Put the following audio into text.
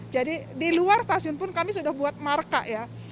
jadi di luar stasiun pun kami sudah buat marka ya